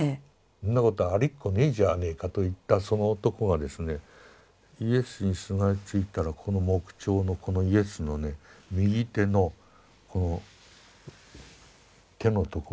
そんなことありっこねえじゃねえかと言ったその男がですねイエスにすがりついたらこの木彫のこのイエスのね右手のこの手のところをよく見るとね